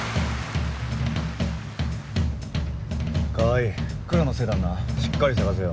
川合黒のセダンなしっかり捜せよ。